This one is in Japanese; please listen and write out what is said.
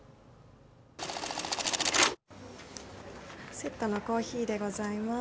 セットのコーヒーでございます。